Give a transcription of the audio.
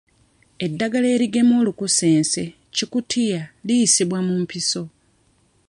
Eddagala erigema Olukusense-Kikutiya liyisibwa mu mpiso.